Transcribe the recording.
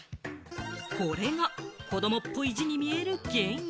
これが子どもっぽい字に見える原因。